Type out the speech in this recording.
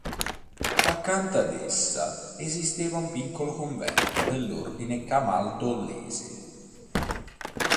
Accanto ad essa esisteva un piccolo convento dell'ordine camaldolese.